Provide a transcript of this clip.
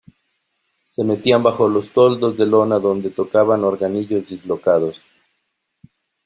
se metían bajo los toldos de lona, donde tocaban organillos dislocados.